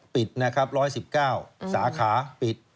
ปิดนะครับ๑๑๙สาขาปิด